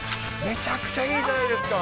めちゃくちゃいいじゃないですか。